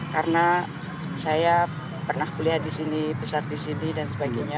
karena saya pernah kuliah di sini besar di sini dan sebagainya